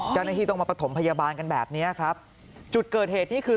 เจ้าหน้าที่ต้องมาประถมพยาบาลกันแบบเนี้ยครับจุดเกิดเหตุนี่คือ